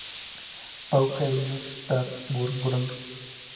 Paul Heiligenstadt-Burggrub.